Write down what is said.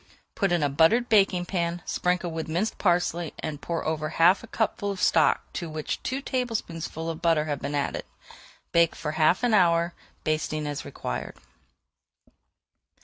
Put in a buttered baking pan, sprinkle with minced parsley, and pour over half a cupful of stock to which two tablespoonfuls of butter have been added. Bake for half an hour, basting as required.